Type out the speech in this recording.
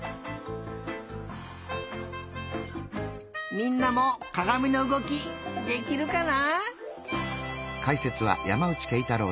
みんなもかがみのうごきできるかな？